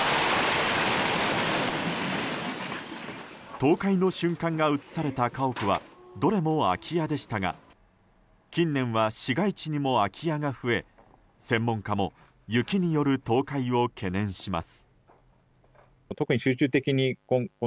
倒壊の瞬間が映された家屋はどれも空き家でしたが近年は市街地にも空き家が増え専門家も雪による倒壊を懸念します。